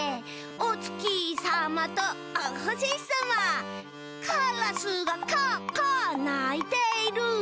「おつきさまとおほしさま」「カラスがカアカアないている」